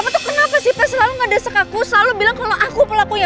papa tuh kenapa selalu ngedesek aku selalu bilang aku pelakunya